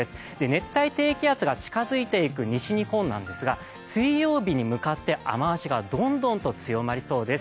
熱帯低気圧が近づいていく西日本なんですが水曜日に向かって雨脚がどんどん強まりそうです。